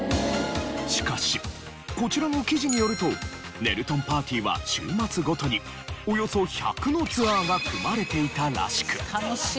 しかしこちらの記事によるとねるとんパーティーは週末ごとにおよそ１００のツアーが組まれていたらしく。